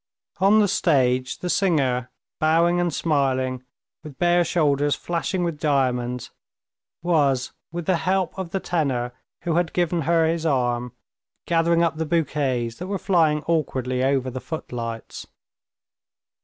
On the stage the singer, bowing and smiling, with bare shoulders flashing with diamonds, was, with the help of the tenor who had given her his arm, gathering up the bouquets that were flying awkwardly over the footlights.